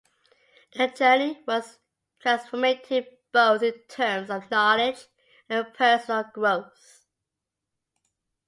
The journey was transformative, both in terms of knowledge and personal growth.